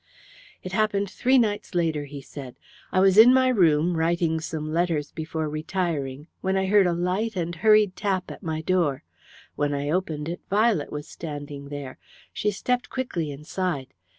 "It happened three nights later," he said. "I was in my room writing some letters before retiring, when I heard a light and hurried tap at my door. When I opened it Violet was standing there. She stepped quickly inside.